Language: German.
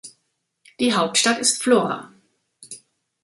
Die Hauptstadt ist Vlora.